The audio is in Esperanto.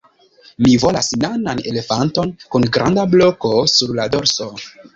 Mi volas nanan elefanton kun granda bloko sur la dorso